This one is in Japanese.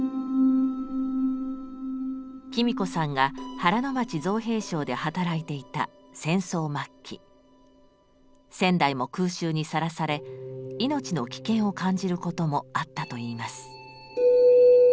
喜美子さんが原町造兵廠で働いていた戦争末期仙台も空襲にさらされ命の危険を感じることもあったといいます。